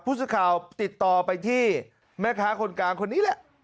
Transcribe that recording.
ผู้สื่อข่าวติดต่อไปที่แม่ค้าคนกลางคนนี้แหละ